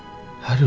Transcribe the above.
aduh ya allah